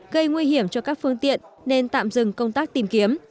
gây nguy hiểm cho các phương tiện nên tạm dừng công tác tìm kiếm